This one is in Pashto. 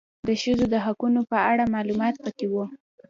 د ښځو د حقونو په اړه معلومات پکي و